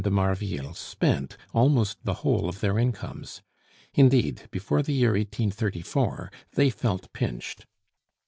de Marville spent almost the whole of their incomes. Indeed, before the year 1834 they felt pinched.